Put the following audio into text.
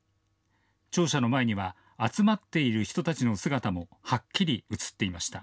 庁舎の前には集まっている人たちの姿もはっきり写っていました。